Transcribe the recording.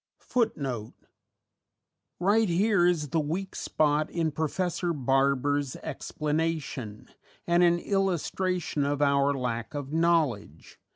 _Right here is the weak spot in Professor Barbour's explanation, and an illustration of our lack of knowledge.